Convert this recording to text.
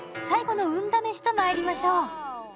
最後の運だめしとまいりましょう。